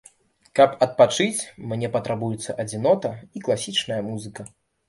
Каб адпачыць, мне патрабуецца адзінота і класічная музыка.